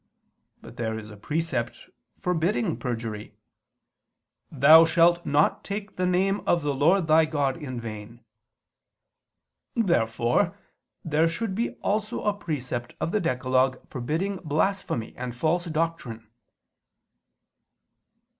But there is a precept forbidding perjury, "Thou shalt not take the name of the Lord thy God in vain." Therefore there should be also a precept of the decalogue forbidding blasphemy and false doctrine.